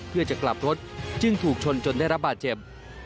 เพื่อจะกลับรถจึงถูกชนจนได้รับบาดเจ็บ